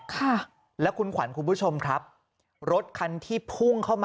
ค่ะแล้วคุณขวัญคุณผู้ชมครับรถคันที่พุ่งเข้ามา